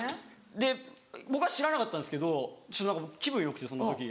で僕は知らなかったんですけどちょっと気分よくてその時。